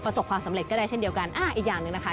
ความสำเร็จก็ได้เช่นเดียวกันอ่าอีกอย่างหนึ่งนะคะ